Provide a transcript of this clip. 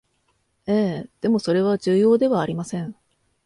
ええ、でもそれは重要ではありません